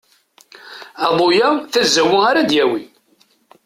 Aḍu-ya d tazawwa ara d-yawi.